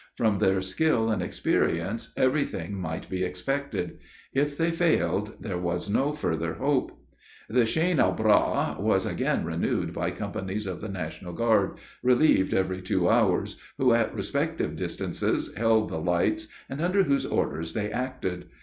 From their skill and experience every thing might be expected; if they failed there was no further hope. The chaine a bras was again renewed by companies of the National Guard, relieved every two hours, who, at respective distances, held the lights, and under whose orders they acted.